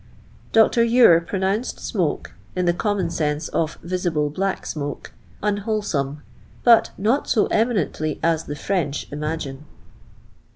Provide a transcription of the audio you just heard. Dr. Ure pronounced smoke, in the common sense of visible black smoke, un wholesome, but " not so eminently as the French imagine."